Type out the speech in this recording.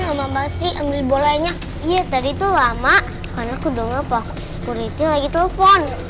lama banget sih ambil bolanya iya tadi tuh lama karena kedua pak skuriti lagi telepon